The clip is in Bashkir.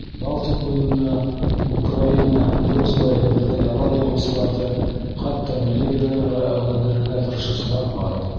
Балтик буйында, Украина һәм Грузияла илебеҙгә яла яғыусыларҙы хатта милли геройҙарға әүерелдерергә тырышыусылар бар.